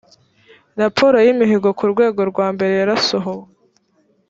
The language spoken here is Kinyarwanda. raporo yimihigo ku rwego rwa mbere yarasohowe